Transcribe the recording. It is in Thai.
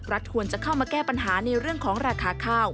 ควรจะเข้ามาแก้ปัญหาในเรื่องของราคาข้าว